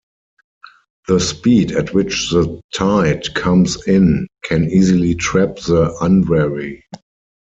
The speed at which the tide comes in can easily trap the unwary.